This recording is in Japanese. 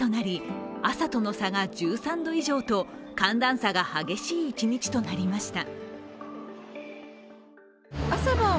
隣朝との差が１３度以上と寒暖差が激しい一日となりました。